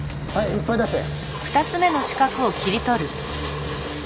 いっぱい出して！